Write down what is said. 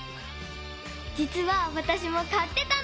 じつはわたしもかってたの！